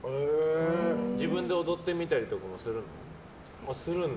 自分で踊ってみたりもするの？